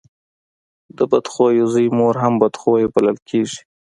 د بد خويه زوی مور هم بد خويه بلل کېږي.